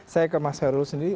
saya ke mas herul sendiri